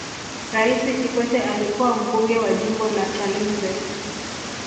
raisi kikwete alikuwa mbunge wa jimbo la chalinze